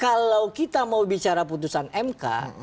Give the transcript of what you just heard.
kalau kita mau bicara putusan mk